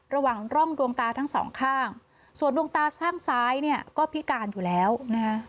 ระหว่างร่องดวงตาทั้งสองข้างส่วนดวงตาข้างซ้ายเนี่ยก็พิการอยู่แล้วนะคะ